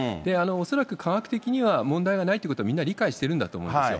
恐らく科学的には問題がないということはみんな理解してるんだと思うんですよ。